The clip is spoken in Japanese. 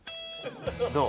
どう？